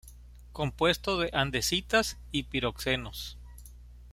Compuesto de andesitas y piroxenos.